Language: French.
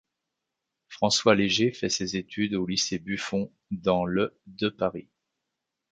François Léger fait ses études au lycée Buffon dans le de Paris.